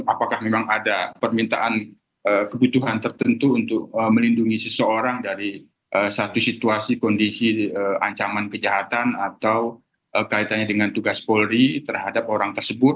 apakah memang ada permintaan kebutuhan tertentu untuk melindungi seseorang dari satu situasi kondisi ancaman kejahatan atau kaitannya dengan tugas polri terhadap orang tersebut